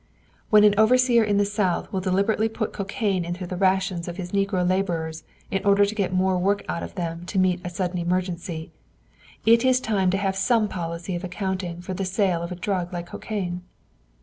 When an overseer in the South will deliberately put cocaine into the rations of his negro laborers in order to get more work out of them to meet a sudden emergency, it is time to have some policy of accounting for the sale of a drug like cocaine.